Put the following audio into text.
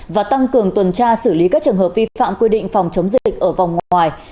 và tăng cường tuần tra xử lý các trường hợp vi phạm quy định phòng chống dịch ở vòng ngoài